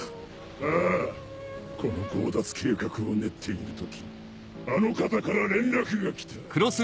ああこの強奪計画を練っている時あの方から連絡が来た。